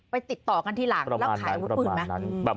ติดต่อกันทีหลังแล้วขายอาวุธปืนไหม